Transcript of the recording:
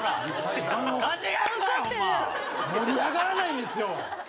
盛り上がらないんですよ。